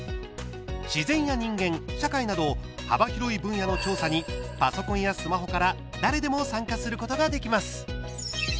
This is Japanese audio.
自然や人間、社会など幅広い分野の調査にパソコンやスマホから誰でも参加することができます。